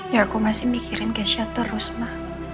ya aku masih mikirin ke siatel usma